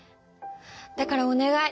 だからおねがい